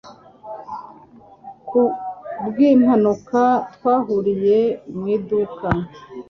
Ku bwimpanuka twahuriye mu iduka